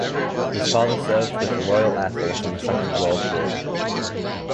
His father served with the Royal Air Force in the Second World War.